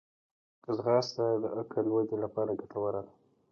ځغاسته د عقل ودې لپاره ګټوره ده